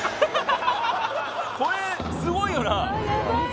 これすごいよな？